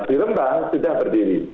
di rembang sudah berdiri